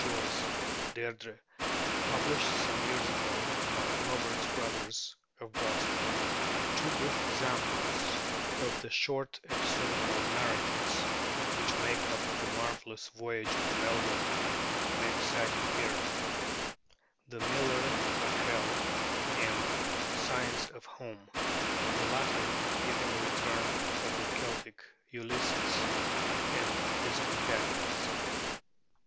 Joyce ('Deirdrê'), published some years ago by Roberts Brothers of Boston. Two brief examples of the short episodical narratives which make up the marvelous 'Voyage of Maeldun' may be cited here, 'The Miller of Hell' and 'Signs of Home,' the latter giving the return of the Celtic Ulysses and his companions.